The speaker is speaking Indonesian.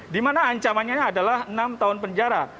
di mana ancamannya adalah enam tahun penjara